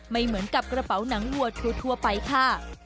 ไม่เหมือนกับกระเป๋าหนังวัวทั่วไปค่ะ